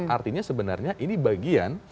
artinya sebenarnya ini bagian